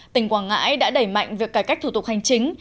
tỉnh quảng ngãi đã đẩy mạnh việc cải cách thủ tục hành chính